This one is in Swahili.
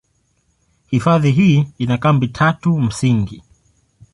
Hifadhi hii ina kambi tatu msingi.